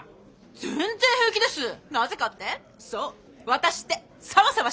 全然平気です。